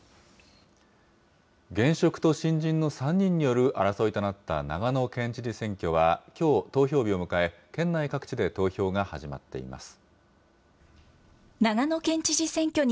現職と新人の３人による争いとなった長野県知事選挙は、きょう、投票日を迎え、県内各地で投票が始まっています。